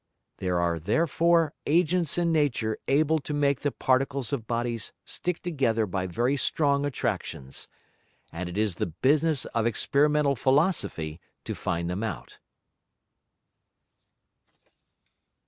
There are therefore Agents in Nature able to make the Particles of Bodies stick together by very strong Attractions. And it is the Business of experimental Philosophy to find them out.